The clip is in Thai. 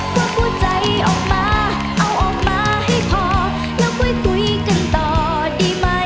หัวใจออกมาเอาออกมาให้พอแล้วค่อยคุยกันต่อดีไหม